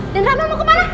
den rama mau kemana